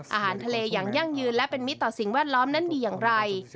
อาหารทะเลอย่างยั่งยืนและเป็นมิตรต่อสิ่งแวดล้อมนั้นดีอย่างไร